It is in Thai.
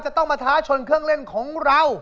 จะต้องมาท้าชนเครื่องเล่นของเรา